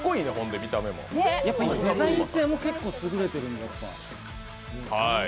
デザイン性も結構優れてるんで、やっぱ。